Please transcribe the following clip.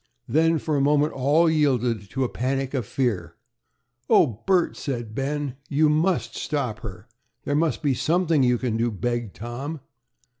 Then for a moment all yielded to a panic of fear. "Oh, Bert," said Ben, "you must stop her." "There must be something you can do," begged Tom.